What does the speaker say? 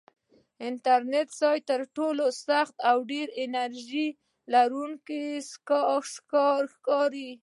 انترسایت تر ټولو سخت او ډېر انرژي لرونکی سکاره دي.